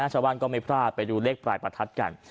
ชาวบ้านก็ไม่พลาดไปดูเลขปลายประทัดกัน